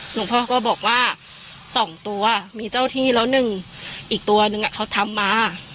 หนูพ่อก็บอกว่า๒ตัวมีเจ้าที่แล้ว๑อีกตัวนึงอะเขาทำมา